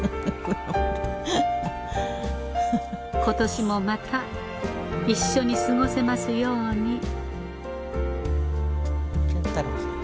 今年もまた一緒に過ごせますように。